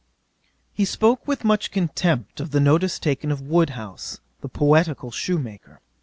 'He spoke with much contempt of the notice taken of Woodhouse, the poetical shoemaker.